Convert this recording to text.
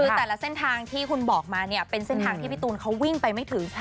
คือแต่ละเส้นทางที่คุณบอกมาเนี่ยเป็นเส้นทางที่พี่ตูนเขาวิ่งไปไม่ถึง